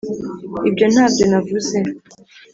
Ibyo ntabyo navuze.